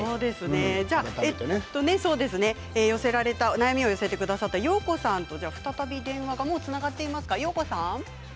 悩みをお寄せくださったよーこさんと再び電話がつながっています。